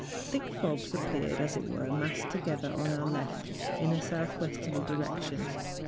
Thick fogs ap¬ peared, as it were, massed together on our left, in a south westerly direction.